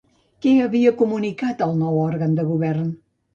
Què havia comunicat el nou òrgan de govern?